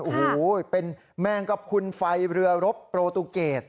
โอ้โหเป็นแมงกระพุนไฟเรือรบโปรตูเกต